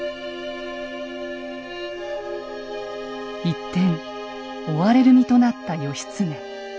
一転追われる身となった義経。